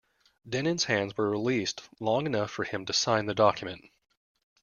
Dennin's hands were released long enough for him to sign the document.